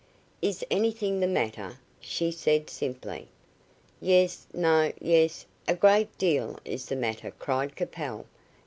"Is anything the matter," she said simply. "Yes no yes, a great deal is the matter," cried Capel.